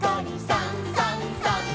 「さんさんさん」